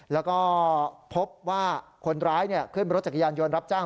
แล้วก็พบว่าคนร้ายขึ้นรถจักรยานยนต์รับจ้าง